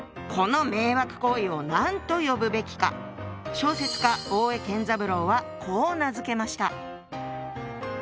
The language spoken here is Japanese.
小説家大江健三郎はこう名付けました。